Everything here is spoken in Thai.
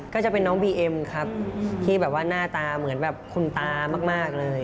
ก็จะเป็นน้องบีเอ็มครับที่แบบว่าหน้าตาเหมือนแบบคุณตามากเลย